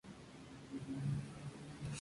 Tiene una única crujía.